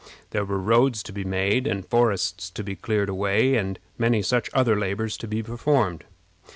There were roads to be made, and forests to be cleared away, and many other such labors to be performed.